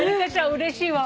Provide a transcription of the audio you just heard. うれしいわ。